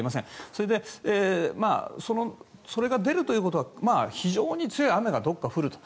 それでそれが出るということは非常に強い雨がどこか降ると。